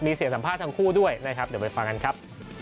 มีเสียงสัมภาษณ์ทั้งคู่ด้วยนะครับเดี๋ยวไปฟังกันครับ